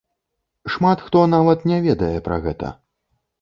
Шмат хто нават не ведае пра гэта.